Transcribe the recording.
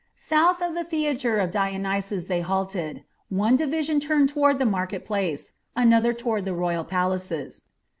South of the Theatre of Dionysus they halted. One division turned toward the market place, another toward the royal palaces.